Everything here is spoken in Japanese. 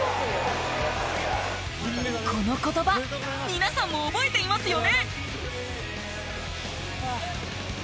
この言葉皆さんも覚えていますよね？